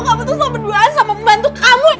kamu tuh sama berduaan sama membantu kamu